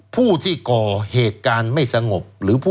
ผู้ที่ก่อเหตุการณ์ไม่สงบ